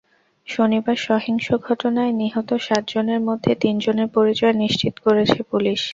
শনিবার সহিংস ঘটনায় নিহত সাতজনের মধ্যে তিনজনের পরিচয় নিশ্চিত করেছে পুলিশ।